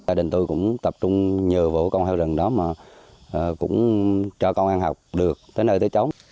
gia đình tôi cũng tập trung nhờ vợ con heo rừng đó mà cũng cho con ăn học được tới nơi tới trống